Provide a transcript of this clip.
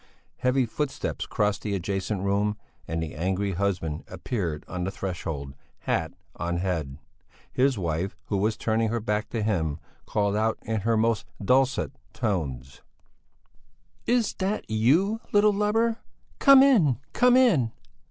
Heavy footsteps crossed the adjacent room and the angry husband appeared on the threshold, hat on head. His wife, who was turning her back to him, called out in her most dulcet tones: "Is that you, little lubber? Come in, come in!"